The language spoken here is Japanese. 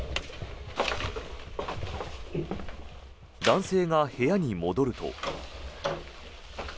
男性が部屋に戻ると。